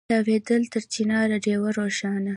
تاوېدله تر چنار ډېوه روښانه